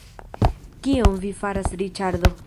Kion vi faras Riĉardo!